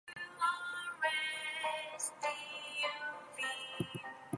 She appeared in several printed programmes.